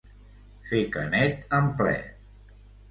Fer Canet en ple.